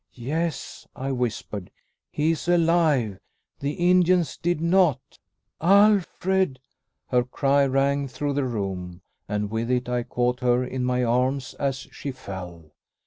"Yes," I whispered, "he is alive. The Indians did not " "Alfred!" Her cry rang through the room, and with it I caught her in my arms as she fell.